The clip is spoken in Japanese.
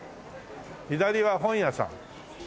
左は本屋さん。